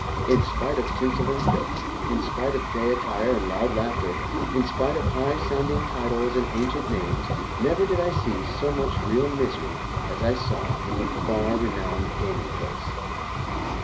In spite of tinsel and gilt, in spite of gay attire and loud laughter, in spite of high sounding titles and ancient names, never did I see so much real misery as I saw in the far renowned gaming palace.